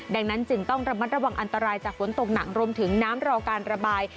ดังนั้นจึงต้องระมัดระวังอันตรายจากฝนตกหนักรวมถึงน้ำรอการระบาย